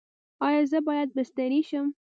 ایا زه باید بستري شم؟